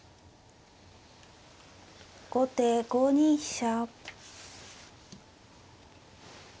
後手５二飛車。